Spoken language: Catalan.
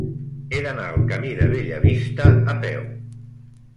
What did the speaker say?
He d'anar al camí de Bellavista a peu.